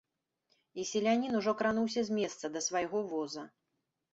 І селянін ужо крануўся з месца да свайго воза.